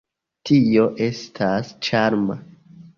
Tio estas ĉarma.